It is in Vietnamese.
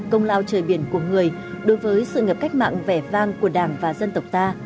công lao trời biển của người đối với sự nghiệp cách mạng vẻ vang của đảng và dân tộc ta